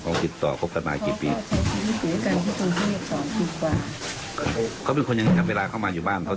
ถ้าจะพูดคือคุยกันรู้เรื่องสาเหตุถ้าจะไปก็หงิ้งห่วง